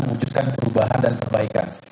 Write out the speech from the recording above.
mewujudkan perubahan dan perbaikan